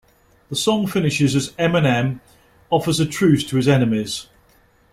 The song finishes as Eminem offers a truce to his enemies.